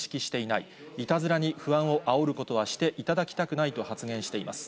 いたずらに不安をあおることはしていただきたくないと発言しています。